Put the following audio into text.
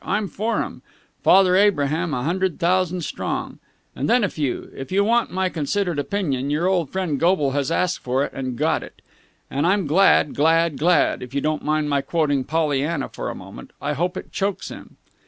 I'm for 'em, Father Abraham, a hundred thousand strong. And then a few! If you want my considered opinion, our old friend Goble has asked for it and got it. And I'm glad glad glad, if you don't mind my quoting Pollyanna for a moment. I hope it chokes him!"